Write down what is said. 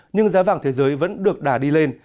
nhưng giá vàng thế giới vẫn được đà đi lên